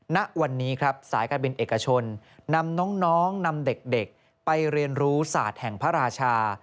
ณวันนี้ครับสายการบินเอกชนนำน้องนำเด็กไปเรียนรู้ศาสตร์แห่งพระราชา